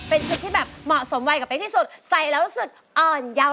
เป็นชุดที่แบบเหมาะสมวัยกับเป๊กที่สุดใส่แล้วรู้สึกอ่อนเยาว์